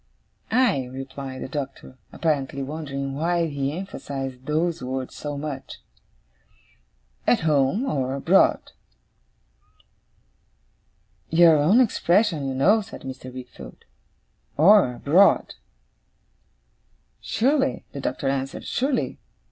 'Aye!' replied the Doctor, apparently wondering why he emphasized those words so much. 'At home or abroad.' 'Your own expression, you know,' said Mr. Wickfield. 'Or abroad.' 'Surely,' the Doctor answered. 'Surely.